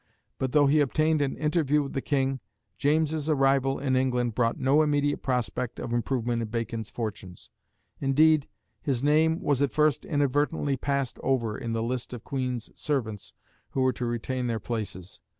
But though he obtained an interview with the King, James's arrival in England brought no immediate prospect of improvement in Bacon's fortunes. Indeed, his name was at first inadvertently passed over in the list of Queen's servants who were to retain their places.